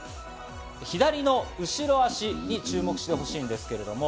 左の後ろ足に注目してほしいんですけれども。